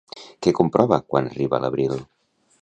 Què comprova quan arriba l'abril?